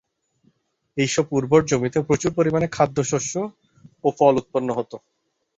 এইসব উর্বর জমিতে প্রচুর পরিমাণে খাদ্যশস্য ও ফল উৎপন্ন হতো।